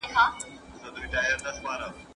وچکالي ډېر زیانونه لري.